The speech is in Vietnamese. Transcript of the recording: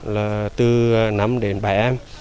là từ năm đến bảy em